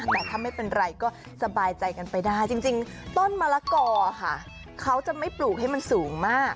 แต่ถ้าไม่เป็นไรก็สบายใจกันไปได้จริงต้นมะละกอค่ะเขาจะไม่ปลูกให้มันสูงมาก